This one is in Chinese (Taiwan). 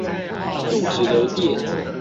用直流電